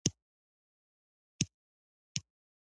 څو قدمه لا وړاندې نه و تللي، چې کاروان بیا ودرېد.